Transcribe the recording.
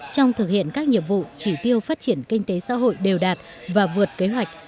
trong thực hiện các nhiệm vụ chỉ tiêu phát triển kinh tế xã hội đều đạt và vượt kế hoạch